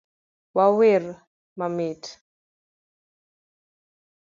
wawer mamit